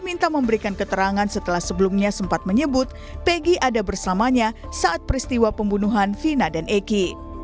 diminta memberikan keterangan setelah sebelumnya sempat menyebut peggy ada bersamanya saat peristiwa pembunuhan vina dan eki